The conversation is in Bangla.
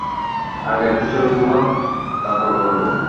আগে একটা ছবি তোলো, তারপর করবো।